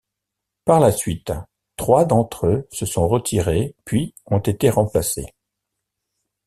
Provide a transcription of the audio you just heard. Par la suite, trois d'entre eux se sont retirés puis ont été remplacés.